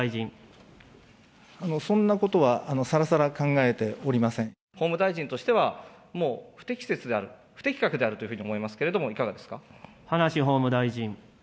そんなことはさらさら考えて法務大臣としては、もう不適切である、不適格であるというふうに思いますけれども、いかがで葉梨法務大臣。